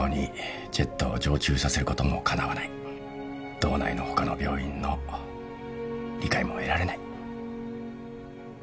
道内の他の病院の理解も得られない。